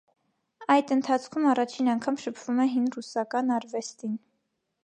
Այդ ընթացքում առաջին անգամ շփվում է հին ռուսական արվեստին։